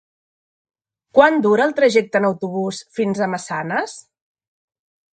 Quant dura el trajecte en autobús fins a Massanes?